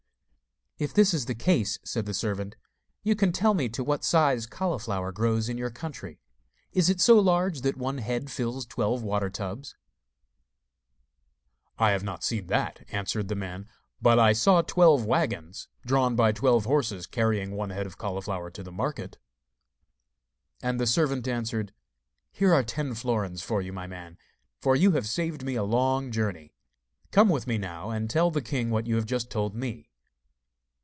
'If that is the case,' said the servant, 'you can tell me to what size cauliflower grows in your country? Is it so large that one head fills twelve water tubs?' 'I have not seen that,' answered the man. 'But I saw twelve waggons, drawn by twelve horses, carrying one head of cauliflower to the market.' And the servant answered: 'Here are ten florins for you, my man, for you have saved me a long journey. Come with me now, and tell the king what you have just told me.